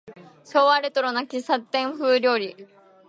昭和レトロな喫茶店風料理